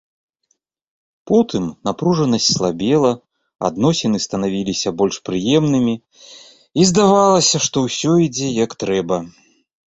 Потым напружанасць слабела, адносіны станавіліся больш прыемнымі, і здавалася, што ўсё ідзе як трэба.